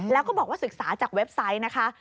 แล้วก็บอกว่าศึกษาจากเว็บไซต์นะคะ